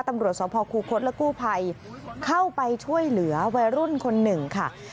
ตำรวจสภคูคศและกู้ภัยเข้าไปช่วยเหลือวัยรุ่นคนหนึ่งค่ะ